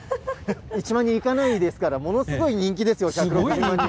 １万人いかないですから、すごい人気ですよね。